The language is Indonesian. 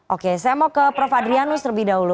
oke saya mau ke prof adrianus terlebih dahulu